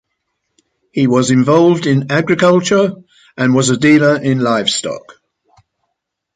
He was involved in agriculture and was a dealer in livestock.